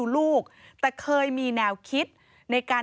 พบหน้าลูกแบบเป็นร่างไร้วิญญาณ